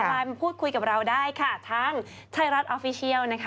ไลน์มาพูดคุยกับเราได้ค่ะทางไทยรัฐออฟฟิเชียลนะคะ